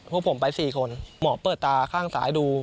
พวกผมไป๔คนหมอเปิดตาข้างซ้ายดู